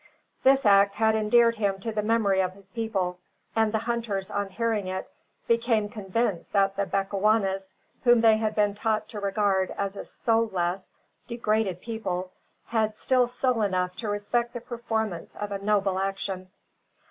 This act had endeared him to the memory of his people; and the hunters, on hearing it, became convinced that the Bechuanas, whom they had been taught to regard as a soul less, degraded people, had still soul enough to respect the performance of a noble action.